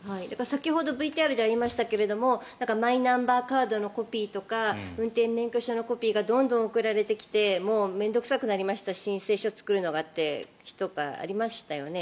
先ほどＶＴＲでもありましたけどマイナンバーカードのコピーとか運転免許証のコピーがどんどん送られてきて面倒臭くなりました申請書を作るのがという人がいましたよね。